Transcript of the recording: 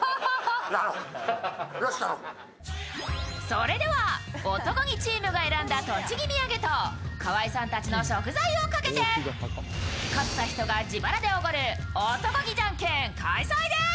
それでは男気チームが選んだ栃木土産と河合さんたちの食材をかけて勝った人が自腹でおごる男気じゃんけん、開催です。